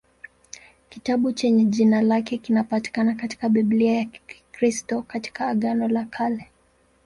Kitabu chenye jina lake kinapatikana katika Biblia ya Kikristo katika Agano la Kale.